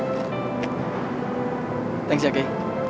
terima kasih ya kay